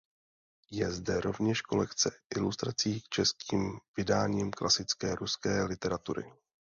Je zde rovněž kolekce ilustrací k českým vydáním klasické ruské literatury.